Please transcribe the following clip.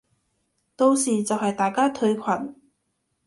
到時就係大家退群